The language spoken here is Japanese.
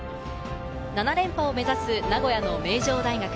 ７連覇を目指す名古屋の名城大学。